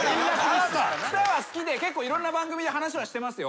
津多屋は好きで結構いろんな番組で話はしてますよ。